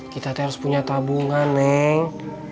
kita harus punya tabungan neng